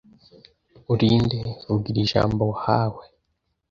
Uri nde Vuga iri jambo wahawe